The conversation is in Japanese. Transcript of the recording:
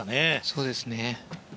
そうですね。